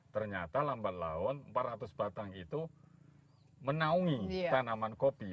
ternyata lambat laun empat ratus batang itu menaungi tanaman kopi